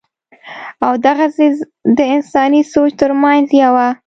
او دغسې دَانساني سوچ تر مېنځه يوه